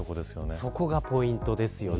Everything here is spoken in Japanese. そこがポイントですよね。